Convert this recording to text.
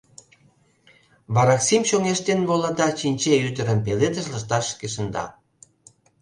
Вараксим чоҥештен вола да Чинче ӱдырым пеледыш лышташышке шында.